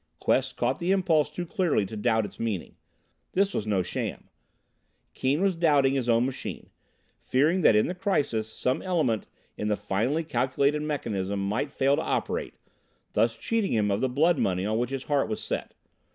Quest caught the impulse too clearly to doubt its meaning. This was no sham! Keane was doubting his own machine, fearing that in the crisis some element in the finely calculated mechanism might fail to operate, thus cheating him of the blood money on which his heart was set.